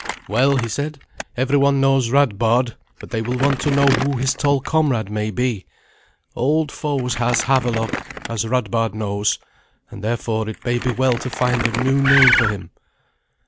"Well," he said, "every one knows Radbard; but they will want to know who his tall comrade may be. Old foes has Havelok, as Radbard knows, and therefore it may be well to find a new name for him."